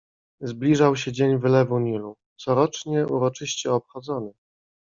"Zbliżał się dzień wylewu Nilu, corocznie uroczyście obchodzony."